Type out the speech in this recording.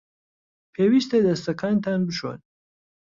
پێویستە دەستەکانتان بشۆن.